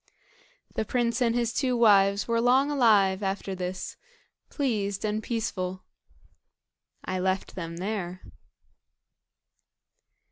The prince and his two wives were long alive after this, pleased and peaceful. I left them there.